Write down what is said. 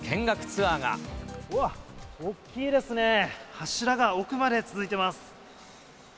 柱が奥まで続いてます。